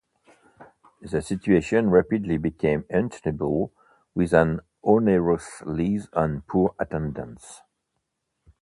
The situation rapidly became untenable, with an onerous lease and poor attendance.